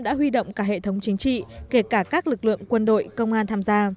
đã huy động cả hệ thống chính trị kể cả các lực lượng quân đội công an tham gia